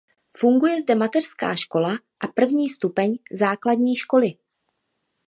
Funguje zde mateřská škola a první stupeň základní školy.